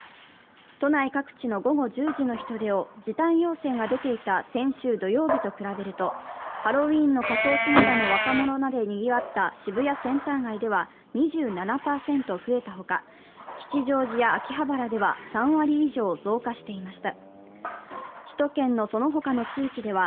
都内各地の午後１０時の人出を時短要請が出ていた先週土曜日と比べると、ハロウィーンの仮装姿の若者などでにぎわった渋谷・センター街では２７％増えた他、吉祥寺や秋葉原では３割以上増加していました。